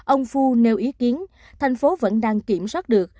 ông phu nêu ý kiến thành phố vẫn đang kiểm soát được